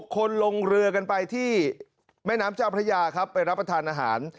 คนลงเรือกันไปที่แม่น้ำเจ้าพระยาครับไปรับประทานอาหาร